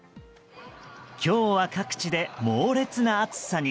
今日は各地で猛烈な暑さに。